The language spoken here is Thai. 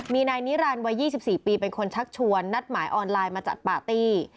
มีนายนิรันดิวัย๒๔ปีเป็นคนชักชวนนัดหมายออนไลน์มาจัดปาร์ตี้